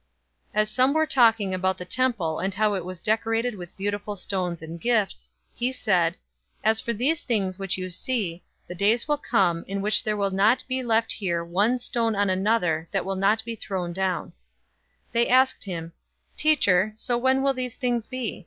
021:005 As some were talking about the temple and how it was decorated with beautiful stones and gifts, he said, 021:006 "As for these things which you see, the days will come, in which there will not be left here one stone on another that will not be thrown down." 021:007 They asked him, "Teacher, so when will these things be?